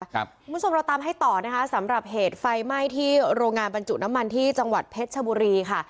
คุณผู้ชมเราตามให้ต่อนะคะสำหรับเหตุไฟไหม้ที่โรงงานบรรจุน้ำมันที่จังหวัดเพชรชบุรีค่ะ